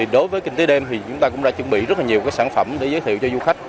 đối với kinh tế đêm thì chúng ta cũng đã chuẩn bị rất là nhiều sản phẩm để giới thiệu cho du khách